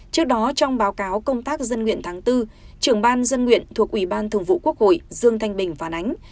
trước đó trong báo cáo công tác dân nguyện tháng bốn trưởng ban dân nguyện thuộc ủy ban thường vụ quốc hội dương thanh bình phản ánh